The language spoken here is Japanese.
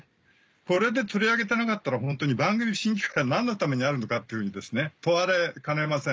これで取り上げてなかったらホントに番組審議会が何のためにあるのかっていうふうに問われかねません。